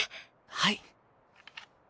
はい。